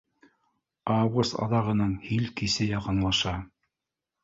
Август аҙағының һил кисе яҡынлаша